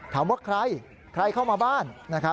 ถามว่าใครใครเข้ามาบ้าน